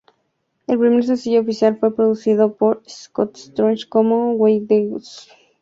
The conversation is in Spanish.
El primer sencillo oficial fue producido por Scott Storch como "Why We Thugs".